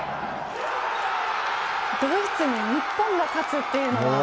ドイツに日本が勝つというのは。